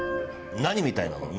何みたいなの？